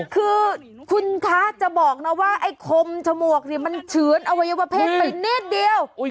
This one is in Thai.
คือคุณคะจะบอกนะว่าไอ้คมฉมวกนี่มันเฉือนอวัยวเพศไปนิดเดียว